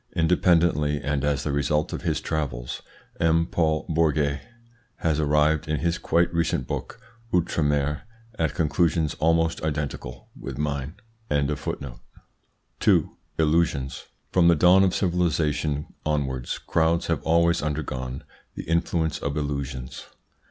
Independently, and as the result of his travels, M. Paul Bourget has arrived, in his quite recent book, "Outre Mer," at conclusions almost identical with mine. 2. ILLUSIONS From the dawn of civilisation onwards crowds have always undergone the influence of illusions.